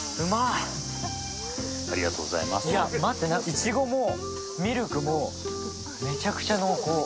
いちごもミルクもめちゃくちゃ濃厚。